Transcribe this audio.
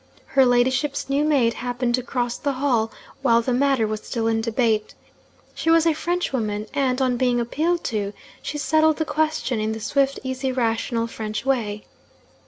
Her ladyship's new maid happened to cross the hall while the matter was still in debate. She was a Frenchwoman, and, on being appealed to, she settled the question in the swift, easy, rational French way.